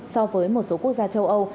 so với một số quốc gia châu âu